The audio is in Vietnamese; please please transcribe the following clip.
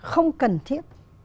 không cần thiết